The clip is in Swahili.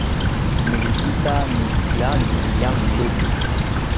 Nilipita mitihani yangu yote